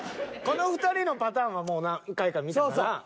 この２人のパターンは何回か見たから。